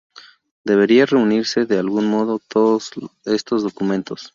Debería reunirse, de algún modo, todos estos documentos.